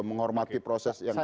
menghormati proses yang ada di